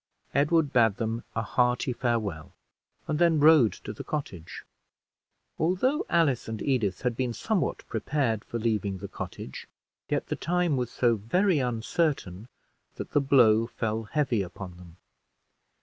Edward bade them a hearty farewell, and then rode to the cottage. Although Alice and Edith had been somewhat prepared for leaving the cottage, yet the time was so very uncertain, that the blow fell heavy upon them.